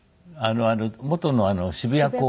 元の渋谷公会堂。